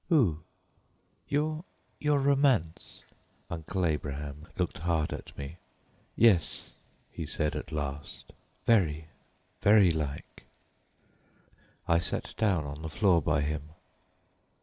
"Who?" "Your—your romance!" Uncle Abraham looked hard at me. "Yes," he said at last. "Very—very like." I sat down on the floor by him.